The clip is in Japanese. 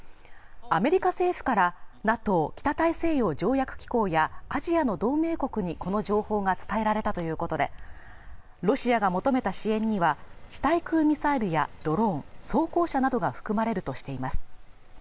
アメリカ政府からＮＡＴＯ＝北大西洋条約機構やアジアの同盟国にこの情報が伝えられたということでロシアが求めた支援には地対空ミサイルやドローン装甲車などが含まれるとしています